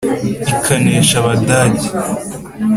Ikanesha Abadage :